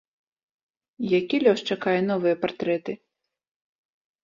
Які лёс чакае новыя партрэты?